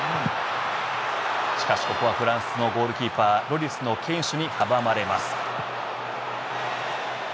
しかし、ここはフランスのゴールキーパーロリスの堅守に阻まれます。